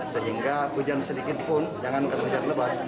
sehingga hujan sedikit pun jangankan hujan lebat